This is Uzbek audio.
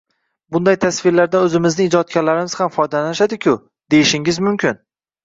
Bunday tasvirlardan o`zimizning ijodkorlarimiz ham foydalanishadiku, deyishingiz mumkin